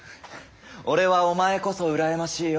俺はお前こそ羨ましいよ。